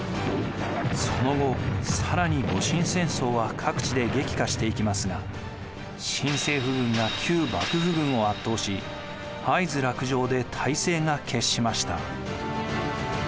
その後更に戊辰戦争は各地で激化していきますが新政府軍が旧幕府軍を圧倒し会津落城で大勢が決しました。